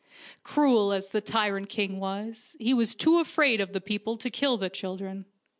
Cruel as the tyrant king was, he was too afraid of the people to kill the children.